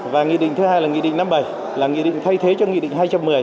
và nghị định thứ hai là nghị định năm mươi bảy là nghị định thay thế cho nghị định hai trăm một mươi